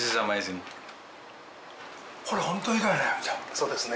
そうですね。